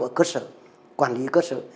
ở cơ sở quản lý cơ sở